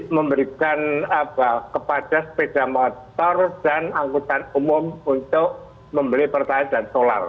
memberikan kepada sepeda motor dan angkutan umum untuk membeli pertalite dan solar